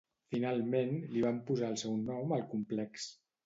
Finalment, li van posar el seu nom al complex.